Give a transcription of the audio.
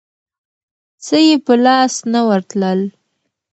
څه یې په لاس نه ورتلل.